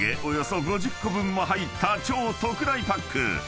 およそ５０個分も入った超特大パック］